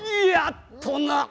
やっとな。